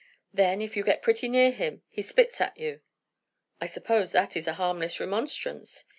Then, if you get pretty near him he spits at you." "I suppose that is a harmless remonstrance."